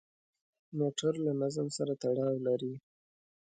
موټر له نظم سره تړاو لري.